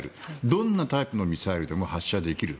どんなタイプのミサイルでも発射できる。